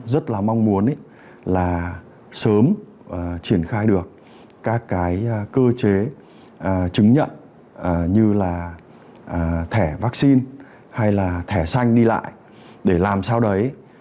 rất là mong muốn là sớm triển khai được các cái cơ chế chứng nhận như là thẻ vaccine hay là thẻ xanh đi lại để làm sao đấy